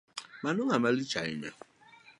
Mano ng'amalich hainya.